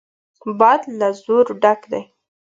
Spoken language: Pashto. باد له زور ډک دی.